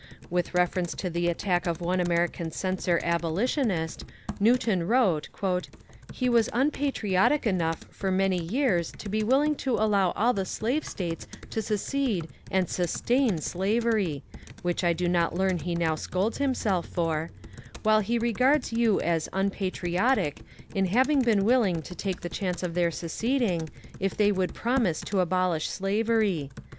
With reference to the attack of one American censor abolitionist, Newman wrote: He was ^ unpatriotic ' enough for many years to be willing to allow all the slave States to secede and sustain slavery (which I do not learn he now scolds himself for), while he regards you as ^ unpatriotic ' in having been willing to take the chance of their seceding if they would promise to oMish slavery.